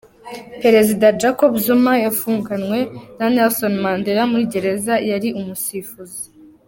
Perezida Jacob Zuma yafunganywe na Nelson Mandela, muri gereza yari umusifuzi.